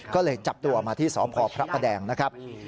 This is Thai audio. ก็เลยจับตัวมาที่สพพระประแดงนะครับ